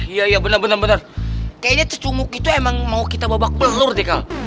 iya iya bener bener kayaknya itu cungguki tuh emang mau kita bawa bak pelur deh kal